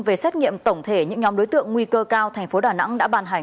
về xét nghiệm tổng thể những nhóm đối tượng nguy cơ cao thành phố đà nẵng đã bàn hành